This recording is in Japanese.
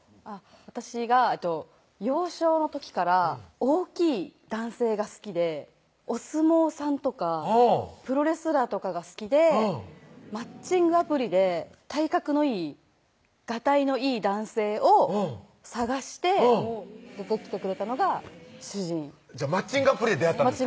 私が幼少の時から大きい男性が好きでお相撲さんとかプロレスラーとかが好きでマッチングアプリで体格のいいガタイのいい男性を探してうん出てきてくれたのが主人マッチングアプリで出会ったんですか？